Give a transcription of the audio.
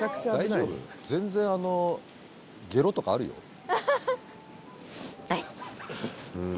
全然ゲロとかあるよ。